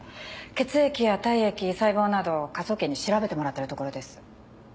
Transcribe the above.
血液や体液細胞などを科捜研に調べてもらってるところです。